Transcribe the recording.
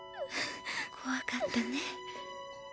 怖かったね。